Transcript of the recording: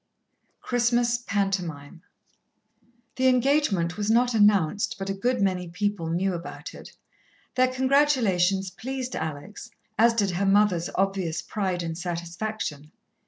XII Christmas Pantomime The engagement was not announced, but a good many people knew about it. Their congratulations pleased Alex, as did her mother's obvious pride and satisfaction.